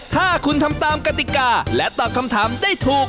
ถ้าคุณทำตามกติกาและตอบคำถามได้ถูก